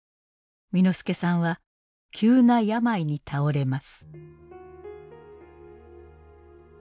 簑助さんは急な病に倒れます。